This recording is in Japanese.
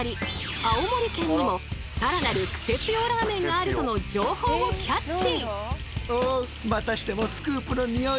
青森県にもさらなるクセつよラーメンがあるとの情報をキャッチ。